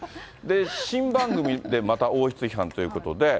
新番組でまた王室批判ということで。